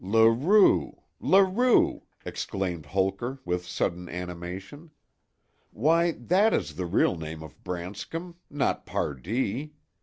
"Larue, Larue!" exclaimed Holker, with sudden animation. "Why, that is the real name of Branscom—not Pardee.